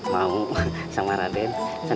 mau sama raden